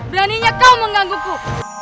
beraninya kau mengganggu ku